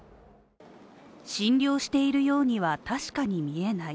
診療しているようには確かに見えない。